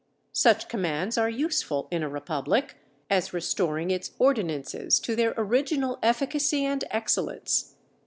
Such commands are useful in a republic, as restoring its ordinances to their original efficacy and excellence.